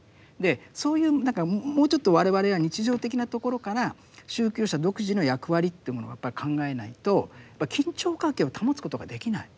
そういう何かもうちょっと我々は日常的なところから宗教者独自の役割というものをやっぱり考えないと緊張関係を保つことができない。